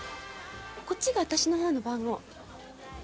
こっちが私のほうの番号。